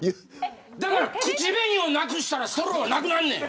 だから、口紅をなくしたらストローはなくなんねん。